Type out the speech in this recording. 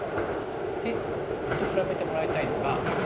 でちょっと比べてもらいたいのが。